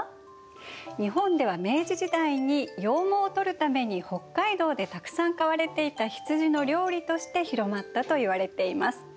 日本では明治時代に羊毛を取るために北海道でたくさん飼われていた羊の料理として広まったといわれています。